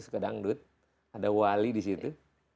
sekedang dud ada wali disitu